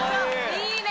いいね！